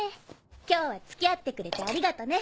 今日は付き合ってくれてありがとね。